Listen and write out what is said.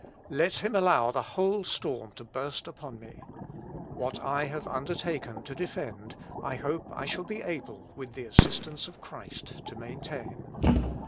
Let him allow the whole storm to burst upon me. What I have undertaken to defend, I hope I shall be able, with the assistance of Christ, to maintain.